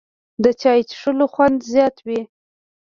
د چای څښلو خوند زیات وي